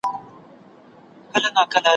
چي له خلوته مو د شیخ سیوری شړلی نه دی ,